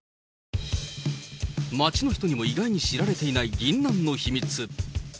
街の人にも意外に知られていないぎんなんの秘密。